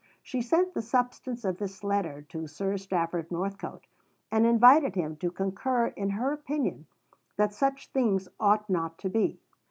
She sent the substance of this letter to Sir Stafford Northcote, and invited him to concur in her opinion that such things ought not to be.